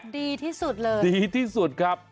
ดีที่สุดเลยดีที่สุดครับ